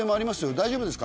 大丈夫ですか？